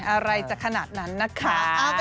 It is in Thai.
อะไรจะขนาดนั้นนะคะ